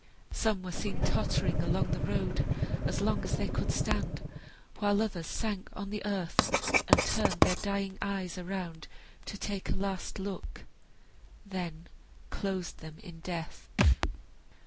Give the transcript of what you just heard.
Some were seen tottering along the road, as long as they could stand, while others sank on the earth, and turned their dying eyes around to take a last look, then closed them in death.